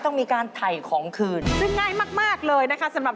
ถ้าพี่ล้มยองพอใจนะครับ